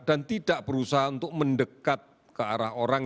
dan tidak berusaha untuk mendekat ke arah orang